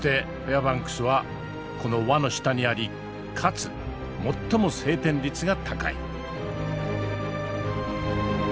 バンクスはこの輪の下にありかつ最も晴天率が高い。